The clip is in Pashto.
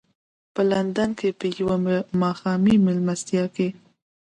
په لندن کې په یوه ماښامنۍ مېلمستیا کې.